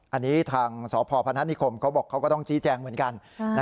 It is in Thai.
อันนี้ทางสพพนัทนิคมเขาบอกเขาก็ต้องชี้แจงเหมือนกัน